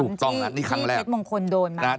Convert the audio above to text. ที่พิเศษมงคลโดนมาอย่างนี้หรือเปล่าถูกต้องน่ะนี่ครั้งแรก